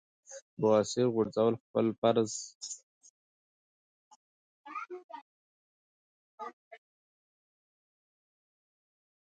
بواسير غورزول خپل فرض عېن ګڼي -